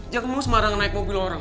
jangan terus marah ngenaik mobil orang